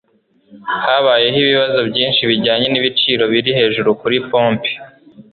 Habayeho ibibazo byinshi bijyanye n'ibiciro biri hejuru kuri pompe.